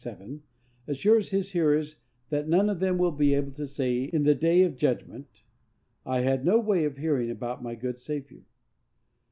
137, assures his hearers that none of them will be able to say, in the day of judgment, "I had no way of hearing about my God and Saviour."